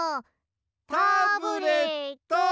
タブレットン！